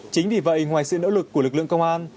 chính vì vậy ngoài sự nỗ lực của lực lượng công an